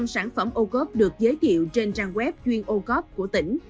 một trăm linh sản phẩm ô cấp được giới thiệu trên trang web chuyên ô cấp của tỉnh